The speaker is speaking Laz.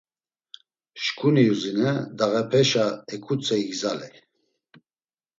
Şǩuni yuzine dağepeşa eǩutzey igzaley.